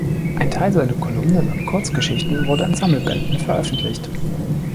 Ein Teil seiner Kolumnen und Kurzgeschichten wurde in Sammelbänden veröffentlicht.